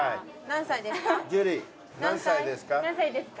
何歳ですか？